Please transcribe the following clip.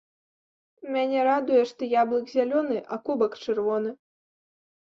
Мяне радуе, што яблык зялёны, а кубак чырвоны.